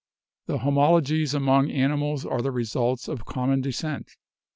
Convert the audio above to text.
The homologies among animals are the results of common descent.